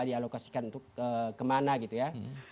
dialokasikan untuk kemana gitu ya